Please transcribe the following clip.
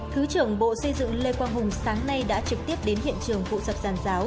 thứ trưởng bộ xây dựng lê quang hùng sáng nay đã trực tiếp đến hiện trường vụ sập giàn giáo